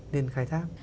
nên khai thác